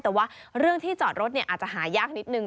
แต่ว่าเรื่องที่จอดรถอาจจะหายากนิดนึง